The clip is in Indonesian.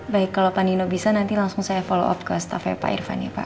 baik kalau pak nino bisa nanti langsung saya follow up ke staffnya pak irvan ya pak